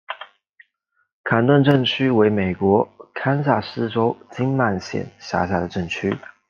坎顿镇区为美国堪萨斯州金曼县辖下的镇区。